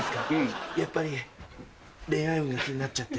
やっぱり。が気になっちゃって。